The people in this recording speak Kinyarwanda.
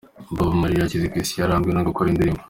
Bob Marley akiri ku isi, yaranzwe no gukora indirimbo.